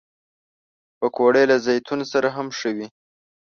پکورې له زیتون سره هم ښه وي